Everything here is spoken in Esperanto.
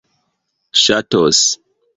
ŝatos